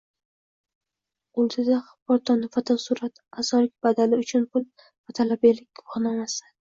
Qo`lida bir dona fotosurat, a`zolik badali uchun pul va talabalik guvohnomasi